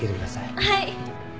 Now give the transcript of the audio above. はい。